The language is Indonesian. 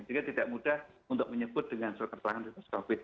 jadi tidak mudah untuk menyebut dengan surat keterangan bebas covid